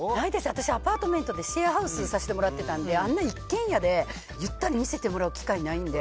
私、アパートメントでシェアハウスさせてもらってたんで、あんな一軒家でゆったり見せてもらう機会ないんで。